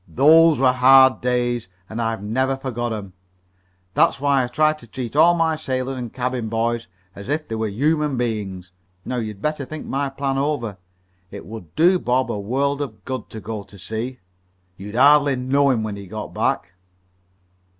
Those were hard days, and I've never forgot 'em. That's why I try to treat all my sailors and cabin boys as if they were human beings. Now you'd better think my plan over. It would do Bob a world of good to go to sea. You'd hardly know him when he got back."